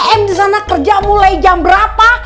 em disana kerja mulai jam berapa